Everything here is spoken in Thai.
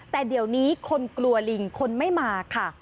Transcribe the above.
แต่เดี๋ยวนี้คนกลัวลิงคนไม่มาค่ะ